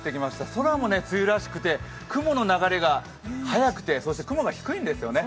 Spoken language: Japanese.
空も梅雨らしくて、雲の流れが速くて、そして雲が低いんですよね。